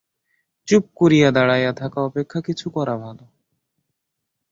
চুপ করিয়া দাঁড়াইয়া থাকা অপেক্ষা কিছু করা ভাল।